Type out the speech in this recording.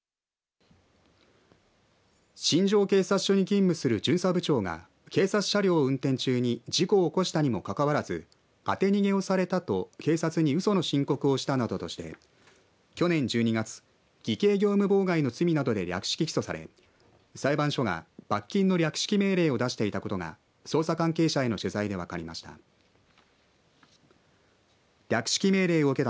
新庄警察署に勤務する巡査部長が警察車両を運転中に事故を起こしたにもかかわらず当て逃げをされたと警察にうその申告をしたなどとして去年１２月偽計業務妨害の罪などで略式起訴され裁判所が罰金の略式命令を出していたことが捜査関係者への取材で分かりました。